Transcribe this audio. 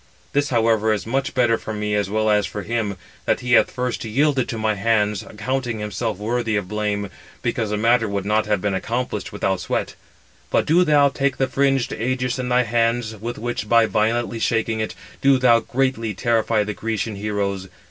This, however, is much better for me as well as for himself, that he hath first yielded to my hands, accounting himself worthy of blame, because the matter would not have been accomplished without sweat. But do thou take the fringed ægis in thy hands, with which, by violently shaking it, do thou greatly terrify the Grecian heroes.